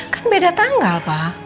kan beda tanggal pak